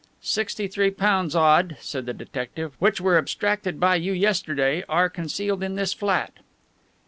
"Sixty three pounds odd," said the detective, "which were abstracted by you yesterday are concealed in this flat."